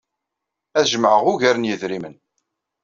Ad jemɛen ugar n yedrimen.